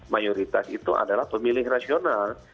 mayoritas itu adalah pemilih rasional